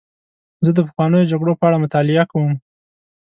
زه د پخوانیو جګړو په اړه مطالعه کوم.